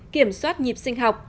kiểm soát nhịp sinh học